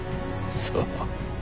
さあ。